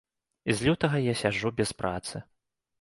І з лютага я сяджу без працы.